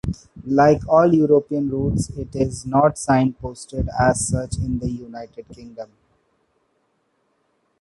Like all European routes, it is not signposted as such in the United Kingdom.